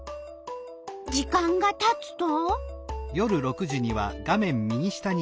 時間がたつと？